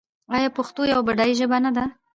آیا پښتو یوه بډایه ژبه نه ده؟